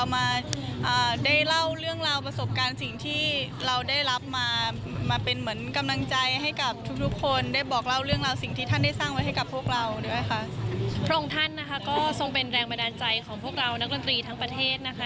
มีกำลังใจของพวกเรานักดนตรีทั้งประเทศนะคะ